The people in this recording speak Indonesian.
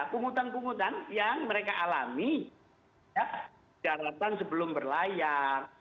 pungutan pungutan yang mereka alami ya jaratan sebelum berlayar